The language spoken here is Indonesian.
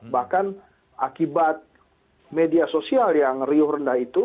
bahkan akibat media sosial yang riuh rendah itu